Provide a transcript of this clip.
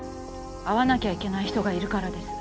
会わなきゃいけない人がいるからです。